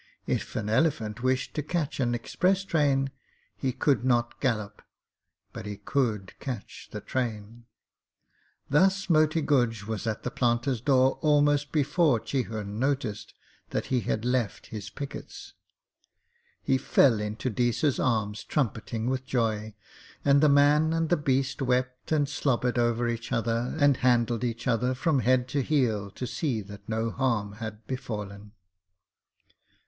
If an elephant wished to catch an express train he could not gallop, but he could catch the train. Thus Moti Guj was at the planter's door almost before Chihun noticed that he had left his pickets. He fell into Deesa's arms trumpeting with joy, and the man and beast wept and slobbered over each other, and handled each other from head to heel to see that no harm had befallen.